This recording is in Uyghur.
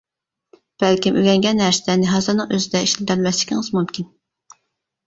بەلكىم ئۆگەنگەن نەرسىلەرنى ھازىرنىڭ ئۆزىدە ئىشلىتەلمەسلىكىڭىز مۇمكىن.